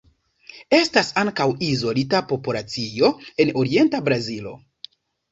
Estas ankaŭ izolita populacio en orienta Brazilo.